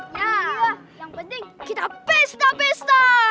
ya yang penting kita pesta pesta